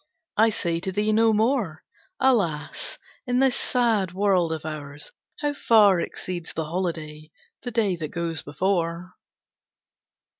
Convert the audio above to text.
I say to thee no more: Alas, in this sad world of ours, How far exceeds the holiday, The day that goes before!